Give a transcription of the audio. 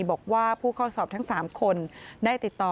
บอกว่าผู้เข้าสอบทั้ง๓คนได้ติดต่อ